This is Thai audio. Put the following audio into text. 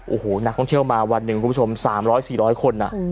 โอ้โหนักท่องเที่ยวมาวันหนึ่งคุณผู้ชมสามร้อยสี่ร้อยคนอ่ะ